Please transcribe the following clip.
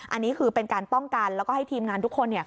อันนี้คือเป็นการป้องกันแล้วก็ให้ทีมงานทุกคน